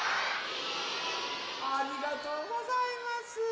ありがとうございます。